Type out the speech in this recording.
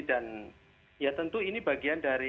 dan ya tentu ini bagian dari